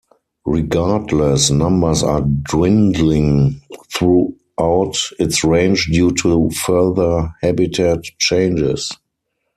Regardless, numbers are dwindling throughout its range due to further habitat changes.